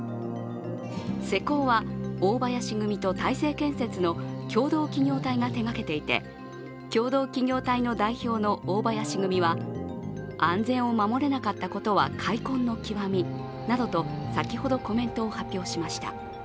施工は大林組と大成建設の共同企業体が施工していて共同企業体の代表の大林組は安全を守れなかったことは悔恨の極みなどと先ほど発表しました。